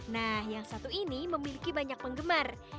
nah yang satu ini memiliki banyak penggemar